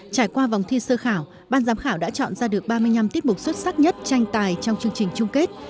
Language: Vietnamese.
trải qua vòng thi sơ khảo ban giám khảo đã chọn ra được ba mươi năm tiết mục xuất sắc nhất tranh tài trong chương trình chung kết